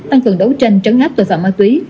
tăng cường đấu tranh trấn áp tội phạm ma túy